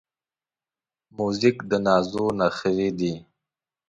موزیک د نازو نخری دی.